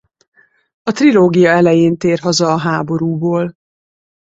A trilógia elején tér haza a háborúból.